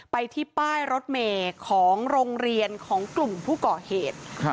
ไปที่ป้ายรถเมย์ของโรงเรียนของกลุ่มผู้ก่อเหตุ